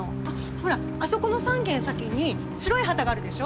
ほらあそこの３軒先に白い旗があるでしょ？